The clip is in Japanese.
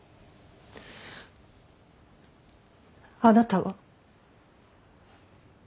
あなたは。